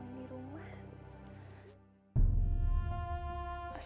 surat para umi rumah